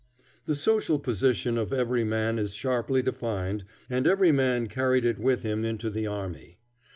The social position of every man is sharply defined, and every man carried it with him into the army.